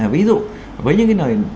ví dụ với những cái nơi